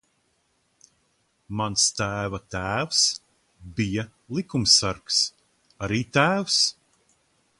Mans tēva tēvs bija likumsargs. Arī tēvs.